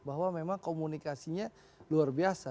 bahwa memang komunikasinya luar biasa